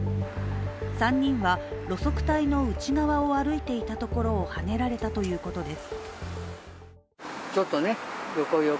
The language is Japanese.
３人は路側帯の内側を歩いていたところをはねられたということです。